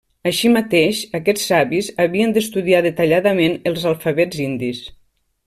Així mateix, aquests savis havien d'estudiar detalladament els alfabets indis.